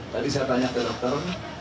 tadi saya tanya ke dokter